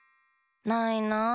ないなあ。